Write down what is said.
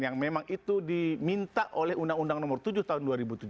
yang memang itu diminta oleh undang undang nomor tujuh tahun dua ribu tujuh belas